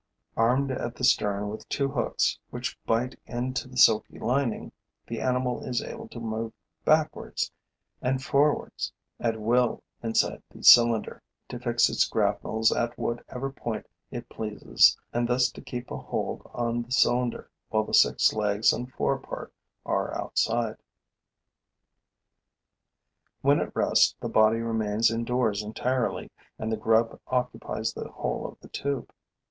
Armed at the stern with two hooks which bite into the silky lining, the animal is able to move backwards and forwards at will inside the cylinder, to fix its grapnels at whatever point it pleases and thus to keep a hold on the cylinder while the six legs and the fore part are outside. When at rest, the body remains indoors entirely and the grub occupies the whole of the tube.